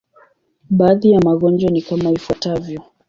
Baadhi ya magonjwa ni kama ifuatavyo.